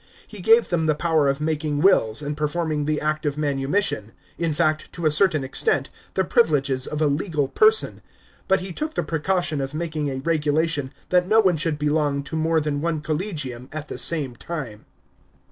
He gave them the power of making wills ana performing the act of manumission ; in fact, to a certain extent, the privileges of a legal person. But he took the precaution of making a regulation that no one should belong to mote than one collegium at the same time.